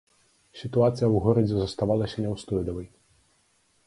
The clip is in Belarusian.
Сітуацыя ў горадзе заставалася няўстойлівай.